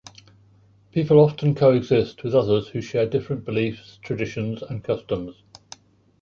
People often coexist with others who share different beliefs, traditions and customs.